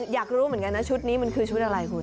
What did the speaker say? อยากรู้เหมือนกันนะชุดนี้มันคือชุดอะไรคุณ